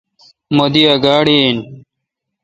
مہ دی ا گاڑی این۔